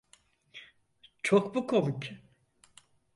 Çok mu komik?